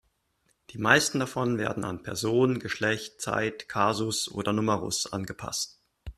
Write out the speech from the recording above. Die meisten davon werden an Person, Geschlecht, Zeit, Kasus oder Numerus angepasst.